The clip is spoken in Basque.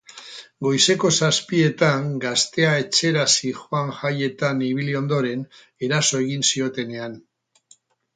Goizeko zazpietan gaztea etxera zihoan jaietan ibili ondoren, eraso egin ziotenean.